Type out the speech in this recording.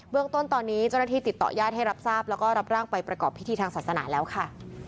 เรื่องต้นตอนนี้เจ้าหน้าที่ติดต่อญาติให้รับทราบแล้วก็รับร่างไปประกอบพิธีทางศาสนาแล้วค่ะ